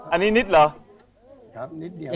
อันนี้นิดเหรอ